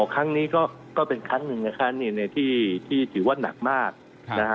ครั้งนี้ก็เป็นครั้งหนึ่งนะครับที่ถือว่าหนักมากนะฮะ